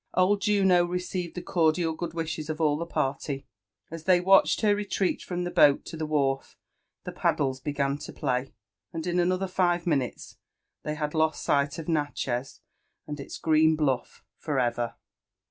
Old Juno received the cordial good wishes of all the party. As they wntehed her retreat from the boat to the wharf, the paddleg began to play, ai^ in another five minutes tb#y bad lost sight of Natcbex and its green blufl[ for ever.